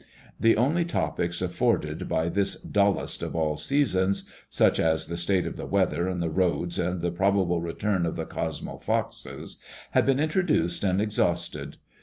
The only topics afforded by this dullest of all seasons, such as the state of the weather and the roads, and the probable return of the Cosuno Poxes had been introduced and exhausted.